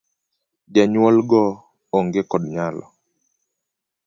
Jonyuol go ong'e kod nyalo.